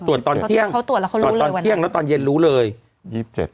ตรวจตอนเที่ยงเขาตรวจแล้วเขารู้เลยตอนเที่ยงแล้วตอนเย็นรู้เลย